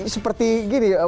seperti gini ya